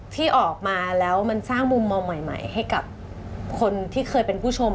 ที่ออกมาแล้วมันสร้างมุมมองใหม่ให้กับคนที่เคยเป็นผู้ชม